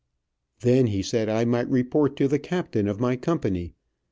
Then he said I might report to the captain of my company.